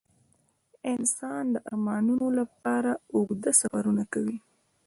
انسانان د ارمانونو لپاره اوږده سفرونه کوي.